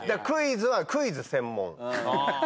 クイズはクイズ専門。